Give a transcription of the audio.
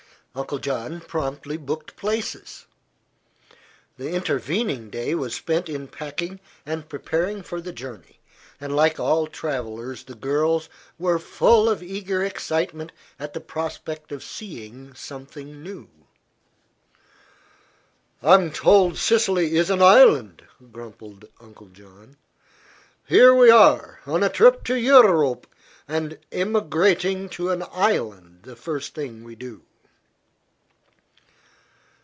Uncle John promptly booked places. The intervening day was spent in packing and preparing for the journey, and like all travellers the girls were full of eager excitement at the prospect of seeing something new. "I'm told Sicily is an island," grumbled Uncle John. "Here we are, on a trip to Eu rope, and emigrating to an island the first thing we do."